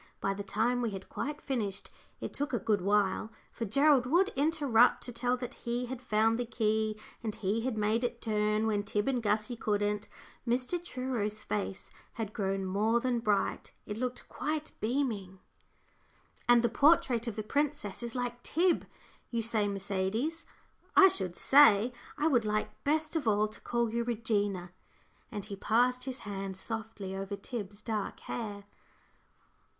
By the time we had quite finished it took a good while, for Gerald would interrupt to tell that he had found the key, and he had made it turn when Tib and Gussie couldn't Mr. Truro's face had grown more than bright, it looked quite beaming. "And the portrait of the princess is like Tib, you say Mercedes, I should say? I would like best of all to call you 'Regina';" and he passed his hand softly over Tib's dark hair.